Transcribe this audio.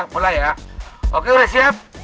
pula ya oke udah siap